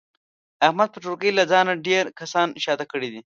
احمد په ټولګي له ځانه ډېر کسان شاته کړي دي.